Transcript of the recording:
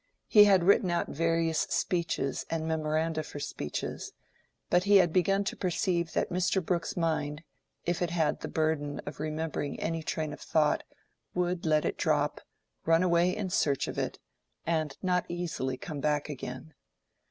He had written out various speeches and memoranda for speeches, but he had begun to perceive that Mr. Brooke's mind, if it had the burthen of remembering any train of thought, would let it drop, run away in search of it, and not easily come back again.